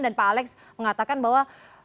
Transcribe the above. dan pak alex mengatakan bahwa kesalahan ada di pimpinan